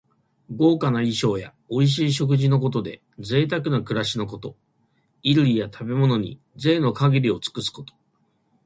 豪華な衣装やおいしい食事のことで、ぜいたくな暮らしのこと。衣類や食べ物に、ぜいの限りを尽くすこと。